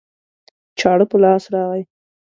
چاړه په لاس راغی